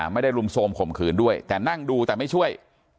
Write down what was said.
ไม่ได้รุมโทรมข่มขืนด้วยแต่นั่งดูแต่ไม่ช่วย